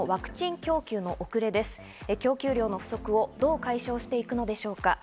供給量の不足をどう解消していくのでしょうか。